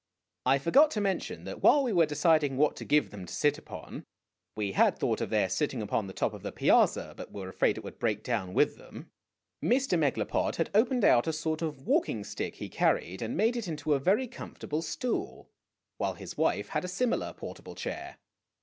I forgot to mention that while we were deciding what to give them to sit upon we had thought of their sitting upon the top of the piazza., but were afraid it would break down with them Mr. Megalopod had opened out a sort of a walking stick he carried, and made it into a very comfortable stool, while his wife had a similar portable chair.